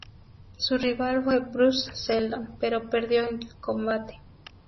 Su rival fue Bruce Seldon, pero perdió el combate.